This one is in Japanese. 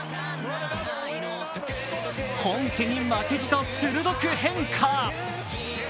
本家に負けじと鋭く変化。